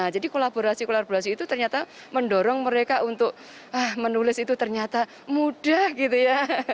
jadi kolaborasi kolaborasi itu ternyata mendorong mereka untuk menulis itu ternyata mudah gitu ya